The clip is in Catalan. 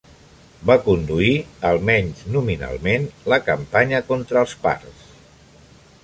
Va conduir, almenys nominalment, la campanya contra els parts.